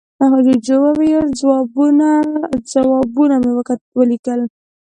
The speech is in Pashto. جوجو وویل، ځوابونه مې وليکل.